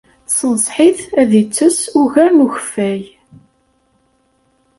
Tenṣeḥ-it ad ittess ugar n ukeffay.